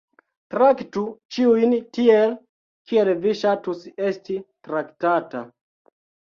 "Traktu ĉiujn tiel, kiel vi ŝatus esti traktata."